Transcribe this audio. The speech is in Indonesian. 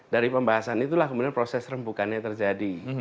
dari pembahasan itulah kemudian proses rembukannya terjadi